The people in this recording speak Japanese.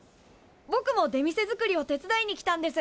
ぼくも出店作りを手伝いに来たんです。